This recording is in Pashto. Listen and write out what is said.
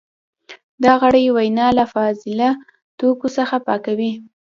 دا غړي وینه له فاضله توکو څخه پاکوي.